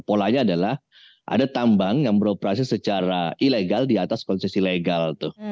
polanya adalah ada tambang yang beroperasi secara ilegal di atas konsesi legal tuh